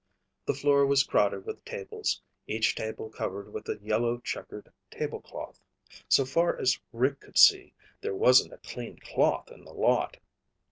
The floor was crowded with tables, each table covered with a yellow checkered tablecloth. So far as Rick could see, there wasn't a clean cloth in the lot.